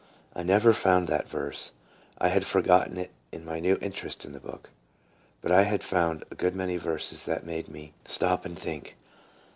I never found that verse. I had forgotten it in my new interest in the book. But I found a good many verses that made me 2 2 TRANSFORMED. stop and think.